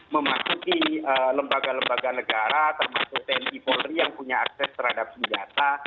memasuki lembaga lembaga negara termasuk tni polri yang punya akses terhadap senjata